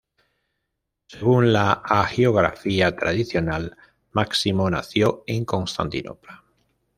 Según la hagiografía tradicional, Máximo nació en Constantinopla.